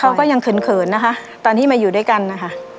เขาก็ยังเขินเขินนะคะตอนที่มาอยู่ด้วยกันนะคะ